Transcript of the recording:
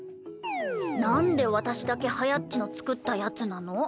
なんで私だけはやっちの作ったやつなの？